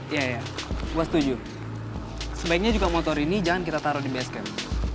iya gue setuju sebaiknya juga motor ini jangan kita taro di basecamp